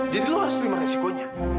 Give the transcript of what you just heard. jadi lo harus terima resikonya